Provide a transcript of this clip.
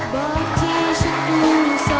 บอกที่ฉันดูซะ